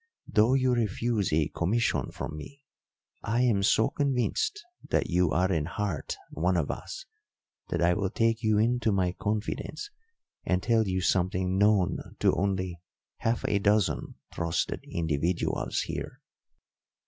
"Though you refuse a commission from me, I am so convinced that you are in heart one of us that I will take you into my confidence and tell you something known to only half a dozen trusted individuals here.